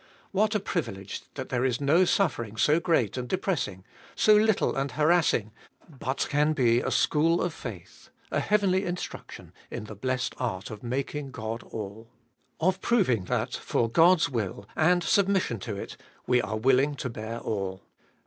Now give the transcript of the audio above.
What a privilege that there is no suffering so great and depressing, so little and harassing, but can be a school of faith, a heavenly instruction in the blessed art of making God all ; of proving that, for God's will and sub mission to it, we are willing to bear all.